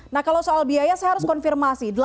nah kalau soal biaya saya harus konfirmasi